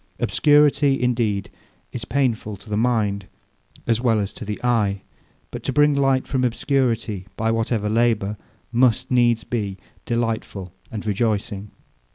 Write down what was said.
Obscurity, indeed, is painful to the mind as well as to the eye; but to bring light from obscurity, by whatever labour, must needs be delightful and rejoicing.